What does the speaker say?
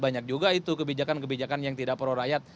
banyak juga itu kebijakan kebijakan yang tidak pro rakyat